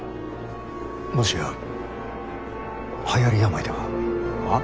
もしやはやり病では？